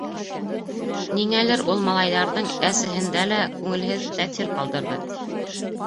Ниңәлер ул малайҙарҙың әсеһендә лә күңелһеҙ тәьҫир ҡалдырҙы.